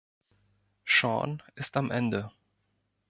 Shaun ist am Ende.